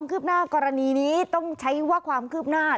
คืบหน้ากรณีนี้ต้องใช้ว่าความคืบหน้า